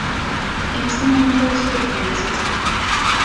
En este momento estoy haciendo la siesta.